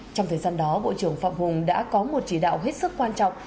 trong thời gian đó bộ trưởng phạm hùng đã có một chỉ đạo hết sức quan trọng